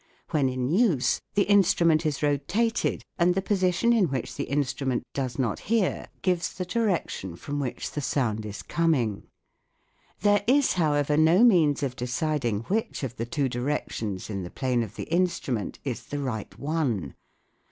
When in use the instrument is rotated, 176 THE WORLD OF SOUND and the position in which the instrument does not hear gives the direction from which the FIG. 85. sound is coming. There is, however, no means of deciding which of the two directions in the plane of SOUND IN WAR 177 the instrument is the right one.